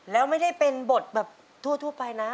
แล้วไม่ได้เป็นบทแบบทั่วไปนะ